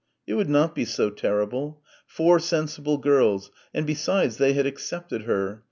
It would not be so terrible four sensible girls; and besides they had accepted her.